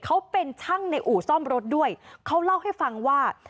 เขาเป็นช่างในอู่ซ่อมรถด้วยเขาเล่าให้ฟังว่า